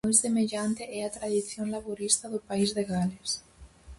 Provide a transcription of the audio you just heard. Moi semellante é a tradición laborista do País de Gales.